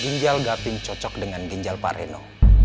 ginjal gavind cocok dengan ginjal pak reno